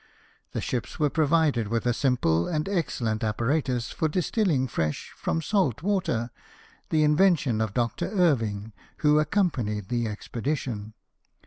The ships were provided with a simple and excellent apparatus for distilling fresh from salt water, the invention of Dr. Irving, who accompanied the expedition.